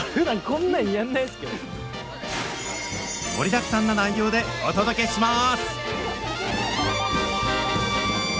盛りだくさんの内容でお届けします！